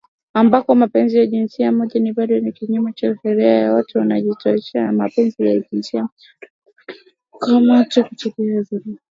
Ambako mapenzi ya jinsia moja bado ni kinyume cha sheria na watu wanaojihusisha na mapenzi ya jinsia moja wanakabiliwa na kukamatwa, kutengwa na vurugu